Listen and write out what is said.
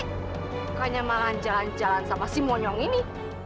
bukannya malah jalan jalan sama si monyong ini